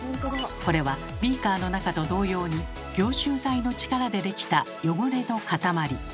これはビーカーの中と同様に凝集剤の力で出来た汚れの塊。